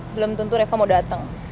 belum tentu reva mau datang